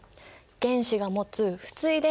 原子が持つ不対電子の数。